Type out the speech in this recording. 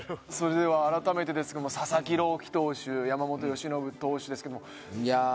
改めてですが、佐々木朗希投手、山本由伸投手ですけど。